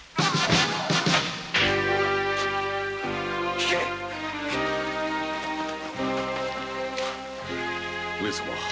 ひけ上様